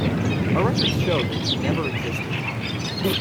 Our records show that you never existed.